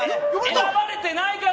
呼ばれてないから！